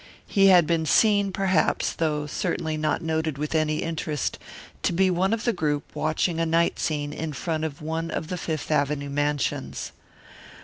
He had been seen, perhaps, though certainly not noted with any interest, to be one of the group watching a night scene in front of one of the Fifth Avenue mansions.